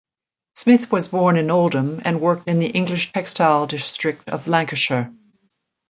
Smith was born in Oldham and worked in the English textile district of Lancashire.